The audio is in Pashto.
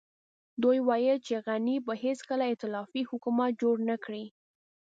دوی ويل چې غني به هېڅکله ائتلافي حکومت جوړ نه کړي.